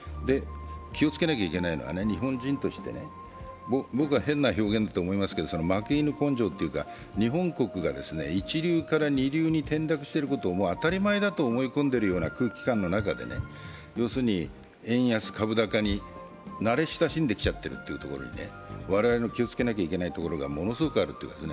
気をつけなければいけないのは日本人として、僕は変な表現だと思いますけど、負け犬根性というか日本国が一流から二流に転落してることをもう、当たり前だと思い込んでるような空気感の中で、円安・株高に慣れ親しんできちゃってるというところに我々の気をつけなければいけないところがものすごくあるということです。